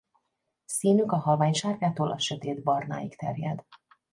Színük a halvány sárgától a sötét barnáig terjed.